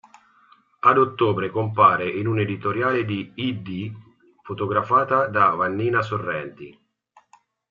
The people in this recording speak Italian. Ad ottobre compare in un editoriale di "i-D", fotografata da Vanina Sorrenti.